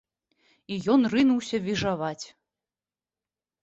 І ён рынуўся віжаваць.